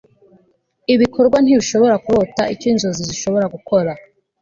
ibikorwa ntibishobora kurota icyo inzozi zishobora gukora